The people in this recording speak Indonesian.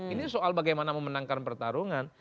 ini soal bagaimana memenangkan pertarungan